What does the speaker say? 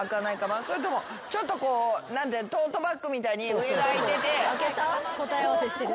それともちょっとトートバッグみたいに上が開いててこう入れられるの？